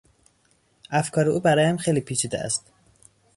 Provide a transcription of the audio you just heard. افکار او برایم خیلی پیچیده است.